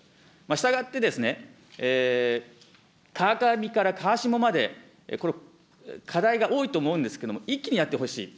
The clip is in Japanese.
したがって、川上から川下まで、これ、課題が多いと思うんですけど、一気にやってほしい。